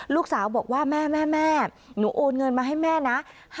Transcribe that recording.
ลูกสาวบอกว่าแม่หนูโอนเงินมาให้แม่นะ